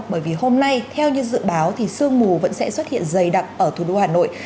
bởi vì hôm nay theo như dự báo thì sương mù vẫn sẽ xuất hiện dày đặc ở thủ đô hà nội